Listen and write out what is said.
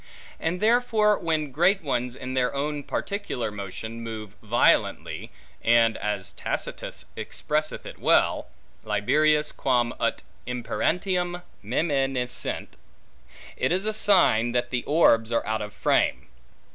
And therefore, when great ones in their own particular motion, move violently, and, as Tacitus expresseth it well, liberius quam ut imperantium meminissent; it is a sign the orbs are out of frame.